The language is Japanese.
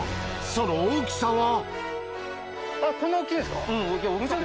その大きさは？